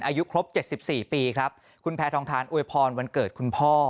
อายุครบ๗๔ปีครับคุณแพทองทานอวยพรวันเกิดคุณพ่อ